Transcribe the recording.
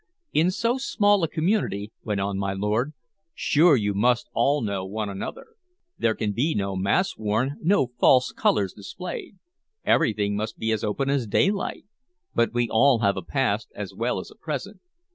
"In so small a community," went on my lord, "sure you must all know one another. There can be no masks worn, no false colors displayed. Everything must be as open as daylight. But we all have a past as well as a present.